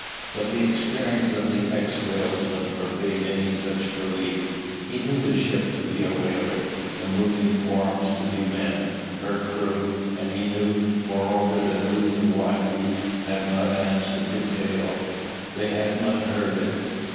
But the experience of the ex whalesman forbade any such belief. He knew the ship to be a whaler, the moving forms to be men, her crew, and he knew, moreover, the reason why these had not answered his hail. They had not heard it.